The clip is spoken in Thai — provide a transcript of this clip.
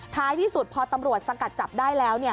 ท้ายที่สุดพอตำรวจสกัดจับได้แล้ว